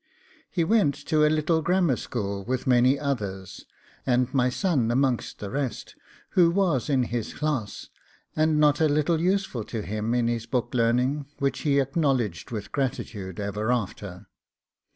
He went to a little grammar school with many others, and my son amongst the rest, who was in his class, and not a little useful to him in his book learning, which he acknowledged with gratitude ever after.